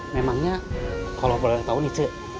memangnya kalau boleh tahu nih c